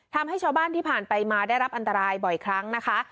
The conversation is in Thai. ทำให้ชาวบ้านที่ผ่านไปมาได้รับอันตรายบ่อยครั้งนะคะ